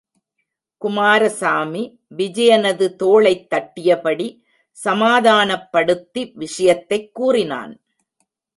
குமாரசாமி, விஜயனது தோளைத் தட்டியபடி சமாதானப்படுத்தி விஷயத்தைக் கூறினான்.